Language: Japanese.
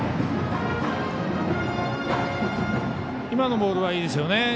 今のボールはいいですよね。